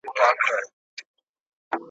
او ادب پوهان، د پښتو په کلاسیک ادب کي ,